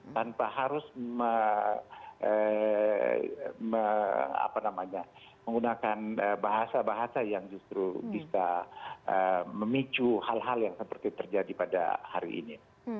tanpa harus menggunakan bahasa bahasa yang justru bisa memicu hal hal yang seperti terjadi pada hari ini